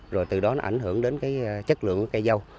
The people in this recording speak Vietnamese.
rồi từ đó nó ảnh hưởng đến cái chất lượng của cây dâu